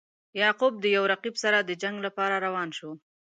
یعقوب د یو رقیب سره د جنګ لپاره روان شو.